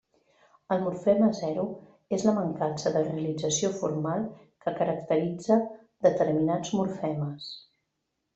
El morfema zero és la mancança de realització formal que caracteritza determinats morfemes.